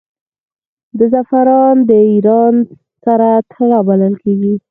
زعفران د ایران سره طلا بلل کیږي.